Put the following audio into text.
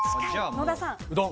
野田さん。